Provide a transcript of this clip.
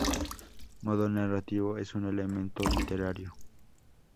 Modo narrativo es un elemento literario.